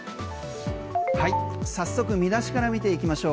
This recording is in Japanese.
早速見出しから見ていきましょう。